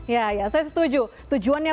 ya saya setuju tujuannya